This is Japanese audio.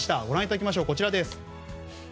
ご覧いただきましょう、こちら。